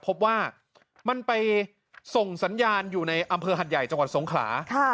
พบว่ามันไปส่งสัญญาณอยู่ในอำเภอหัดใหญ่จังหวัดสงขลา